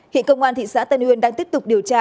hiện công an thị xã tân uyên đang tiếp tục điều tra